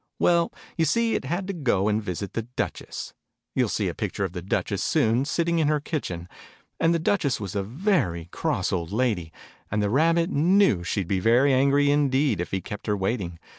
Well, you see, it had to go and visit the Duchess ( you'll see a picture of the Duchess, soon, sitting in her kitchen ): and the Duchess was a very cross old lady : and the Rabbit knew she'd be very angry indeed if he kept her waiting.